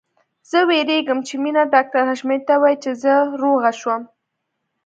زه وېرېږم چې مينه ډاکټر حشمتي ته ووايي چې زه روغه شوم